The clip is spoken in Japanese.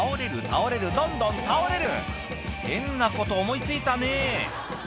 倒れるどんどん倒れる変なこと思い付いたね